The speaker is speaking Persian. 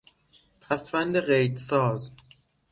پسوند قیدساز